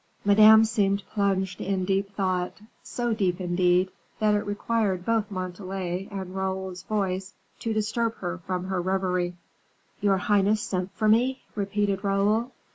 Madame seemed plunged in deep thought, so deep, indeed, that it required both Montalais and Raoul's voice to disturb her from her reverie. "Your highness sent for me?" repeated Raoul.